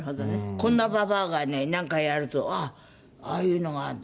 こんなばばあがねなんかやるとあっああいうのがあるんだ。